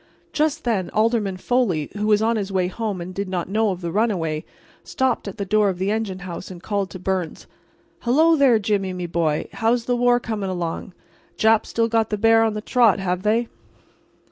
Just then Alderman Foley, who was on his way home and did not know of the runaway, stopped at the door of the engine house and called to Byrnes: "Hello there, Jimmy, me boy—how's the war coming along? Japs still got the bear on the trot, have they?"